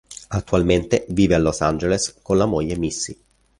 Attualmente vive a Los Angeles con la moglie Missy.